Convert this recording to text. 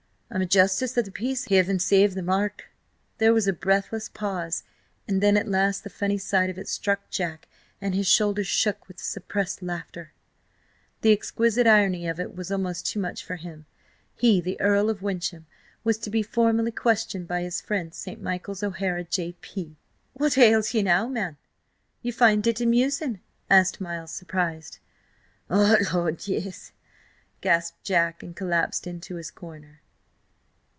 I'm a Justice of the Peace, heaven save the mark!" There was a breathless pause, and then at last the funny side of it struck Jack, and his shoulders shook with suppressed laughter. The exquisite irony of it was almost too much for him. He, the Earl of Wyncham, was to be formally questioned by his friend St. Miles O'Hara, J.P.! "What ails ye now, man? Ye find it amusing?" asked Miles, surprised. "Oh, Lud, yes!" gasped Jack, and collapsed into his corner.